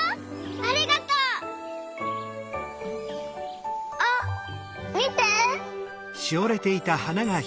ありがとう。あっみて。